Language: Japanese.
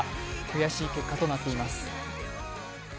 悔しい結果となっています。